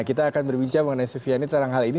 kita akan berbincang mengenai sufiani tentang hal ini